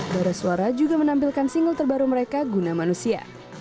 barasuara juga menampilkan single terbaru mereka guna manusia